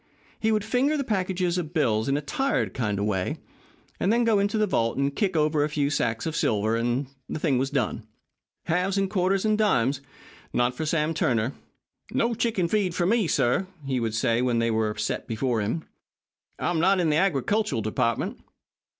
He would finger the packages of bills in a tired kind of way, and then go into the vault and kick over a few sacks of silver, and the thing was done. Halves and quarters and dimes? Not for Sam Turner. "No chicken feed for me," he would say when they were set before him. "I'm not in the agricultural department."